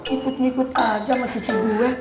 ikut ngikut aja sama cucu gue